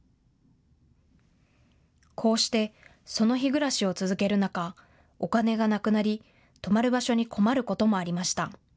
こうしてその日暮らしを続ける中、お金がなくなり泊まる場所に困ることもありました。